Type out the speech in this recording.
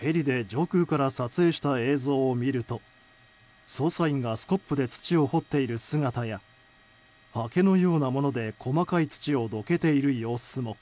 ヘリで上空から撮影した映像を見ると捜査員がスコップで土を掘っている姿やはけのようなもので細かい土をどけている様子も。